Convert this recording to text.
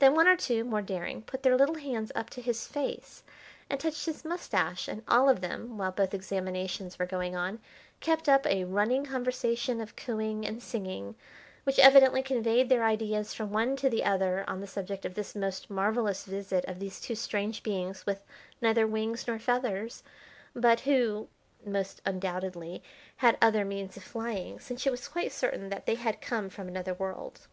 Then one or two, more daring, put their little hands up to his face and touched his moustache, and all of them, while both examinations were going on, kept up a running conversation of cooing and singing which evidently conveyed their ideas from one to the other on the subject of this most marvellous visit of these two strange beings with neither wings nor feathers, but who, most undoubtedly, had other means of flying, since it was quite certain that they had come from another world.